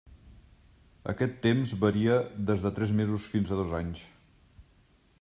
Aquest temps varia des de tres mesos fins a dos anys.